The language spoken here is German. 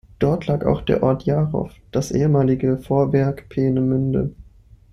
Dort lag auch der Ort Jarchow, das ehemalige Vorwerk Peenemünde.